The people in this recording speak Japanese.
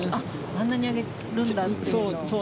あんなに上げるんだっていうのを。